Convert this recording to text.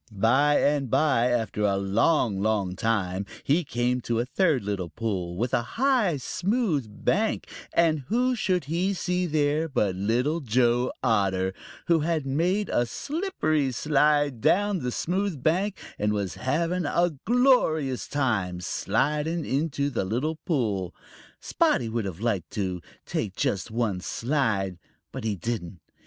By and by, after a long, long time, he came to a third little pool with a high, smooth bank, and who should he see there but Little Joe Otter, who had made a slippery slide down the smooth bank and was having a glorious time sliding down into the little pool. Spotty would have liked to take just one slide, but he didn't.